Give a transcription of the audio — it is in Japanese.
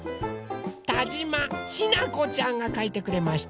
たじまひなこちゃんがかいてくれました。